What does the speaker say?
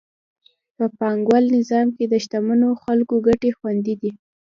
په پانګوال نظام کې د شتمنو خلکو ګټې خوندي دي.